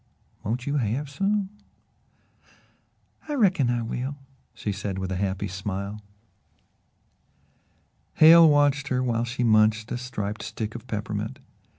Won't you have some?" "I reckon I will," she said with a happy smile. Hale watched her while she munched a striped stick of peppermint.